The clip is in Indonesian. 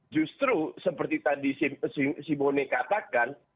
justru seperti tadi simeone katakan